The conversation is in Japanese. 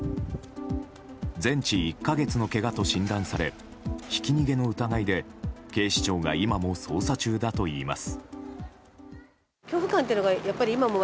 全治１か月のけがと診断されひき逃げの疑いで警視庁が今も捜査中だといいます。